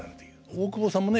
大久保さんもね